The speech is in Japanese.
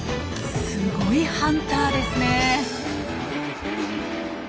すごいハンターですね。